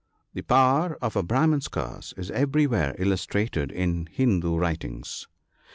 — The power of a Brahman's curse is everywhere illustrated in Hindoo writings.